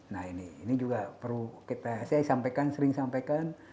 nah ini ini juga perlu kita saya sampaikan sering sampaikan